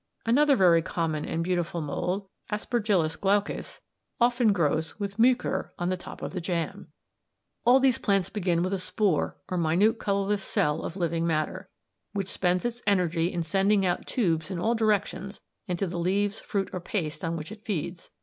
Another very common and beautiful mould, Aspergillus glaucus (2, Fig. 22), often grows with Mucor on the top of jam. "All these plants begin with a spore or minute colourless cell of living matter (s, Fig. 23), which spends its energy in sending out tubes in all directions into the leaves, fruit, or paste on which it feeds.